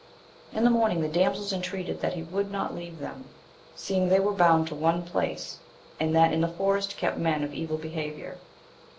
In the morning the damsels intreated that he would not leave them, seeing they were bound to one place, and that in the forest kept men of evil behaviour.